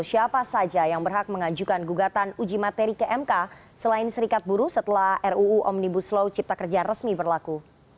siapa saja yang berhak mengajukan gugatan uji materi ke mk selain serikat buruh setelah ruu omnibus law cipta kerja resmi berlaku